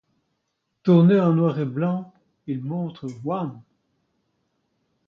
Tourné en noir et blanc, il montre Wham!